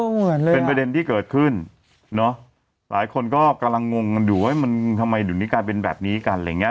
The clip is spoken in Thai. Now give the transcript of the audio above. เหมือนเลยเป็นประเด็นที่เกิดขึ้นเนอะหลายคนก็กำลังงงดูไว้ทำไมดุลิกาเป็นแบบนี้กันอะไรอย่างนี้